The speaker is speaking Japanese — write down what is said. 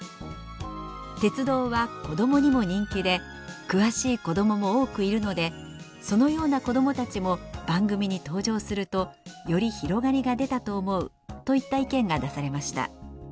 「鉄道は子供にも人気で詳しい子供も多くいるのでそのような子供たちも番組に登場するとより広がりが出たと思う」といった意見が出されました。